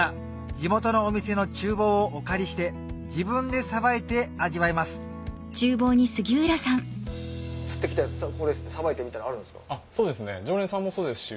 地元のお店の厨房をお借りして自分でさばいて味わいますそうですね